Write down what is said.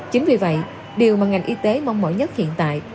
chính vì vậy điều mà ngành y tế mong mỏi nhất hiện tại